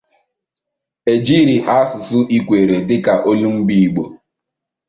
Ejiri asụsụ Ikwerre dika olumba igbo.